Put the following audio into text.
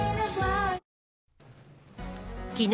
昨日